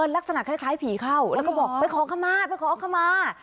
ลักษณะคล้ายผีเข้าแล้วก็บอกไปขอขมาไปขอขมา